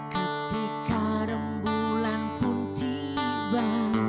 ketika rembulan pun tiba